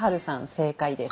正解です。